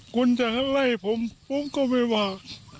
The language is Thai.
คุณจะไล่ผมผมก็ไม่ว่า